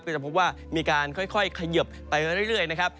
จะพบว่ามีการค่อยเขยิบไปเรื่อยนะครับ